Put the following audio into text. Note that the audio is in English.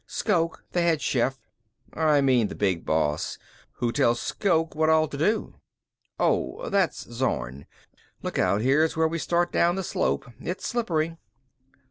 "Shoke, the head chef." "I mean the big boss. Who tells Shoke what all to do?" "Oh, that's Zorn. Look out, here's where we start down the slope. It's slippery."